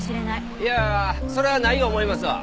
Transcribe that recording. いやあそれはない思いますわ。